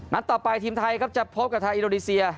นัดต่อไปทีมไทยครับจะพบกับไทยอิโรดิเซีย